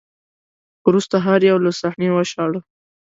وروسته هر یو له صحنې وشاړه